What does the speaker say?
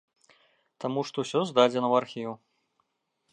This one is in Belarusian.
Таму што ўсё здадзена ў архіў.